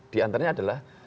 di antaranya adalah